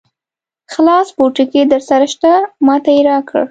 خلاص پوټکی درسره شته؟ ما ته یې راکړ.